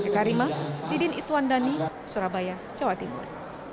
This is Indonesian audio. saya karima didin iswandani surabaya jawa timur